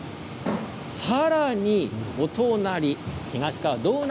さらにお隣、東川道内